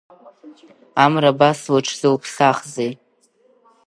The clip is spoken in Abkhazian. Амра абас лыҽзылԥсахзеи?